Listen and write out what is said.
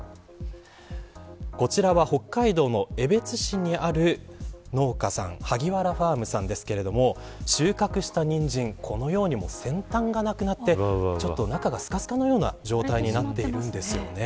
こちらは北海道の江別市にある農家さんはぎわらファームさんですが収穫したニンジンこのように先端がなくなって中がすかすかのような状態になっているんです。